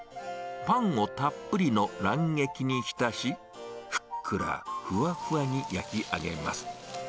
パンをたっぷりの卵液にひたし、ふっくらふわふわに焼き上げます。